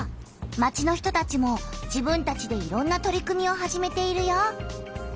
町の人たちも自分たちでいろんな取り組みを始めているよ！